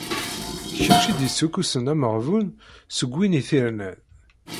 Kečč i d-issukkusen ameɣbun seg win i t-irnan.